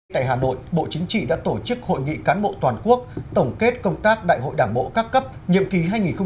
tại hà nội bộ chính trị đã tổ chức hội nghị cán bộ toàn quốc tổng kết công tác đại hội đảng bộ các cấp nhiệm kỳ hai nghìn hai mươi hai nghìn hai mươi năm